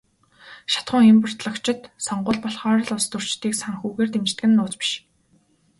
Шатахуун импортлогчид сонгууль болохоор л улстөрчдийг санхүүгээр дэмждэг нь нууц биш.